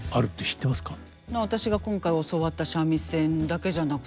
私が今回教わった三味線だけじゃなくて。